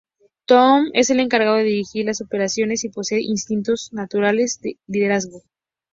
Tom es el encargado de dirigir las operaciones y posee instintos naturales de liderazgo.